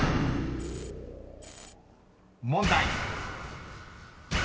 ［問題］